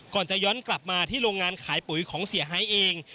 ก่อนจะย้อนกลับมาที่โรงงานขายปุ๋ยของเสียหายเอง